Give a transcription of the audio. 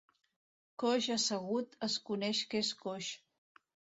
Coix assegut es coneix que és coix.